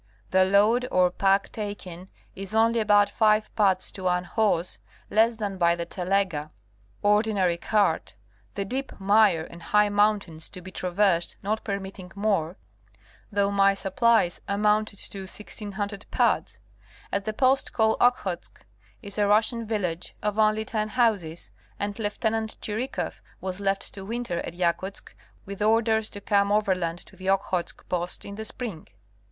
The load or pack taken is only about five puds to one horse, less than by the telega | ordi nary, cart|, the deep mire and high mountains to be traversed not permitting more, though my supplies amounted to 1600 puds. At the post called Okhotsk is a Russian village of only ten houses, and Lieut. Chirikoff was left to winter at Yakutsk with orders to come overland to the Okhotsk post in the spring.